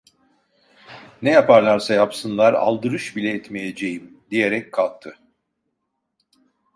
"Ne yaparlarsa yapsınlar, aldırış bile etmeyeceğim!" diyerek kalktı.